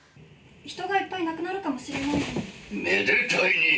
人がいっぱい亡くなるかもしれないのに。